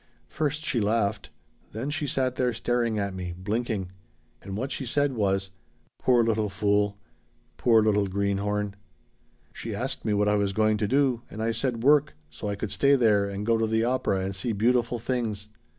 First she laughed. Then she sat there staring at me blinking. And what she said was: 'Poor little fool. Poor little greenhorn.' "She asked me what I was going to do, and I said work, so I could stay there and go to the opera and see beautiful things.